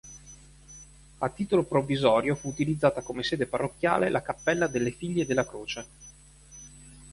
A titolo provvisorio fu utilizzata come sede parrocchiale la cappella delle Figlie della Croce.